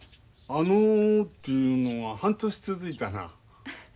「あのぉ」というのが半年続いたな。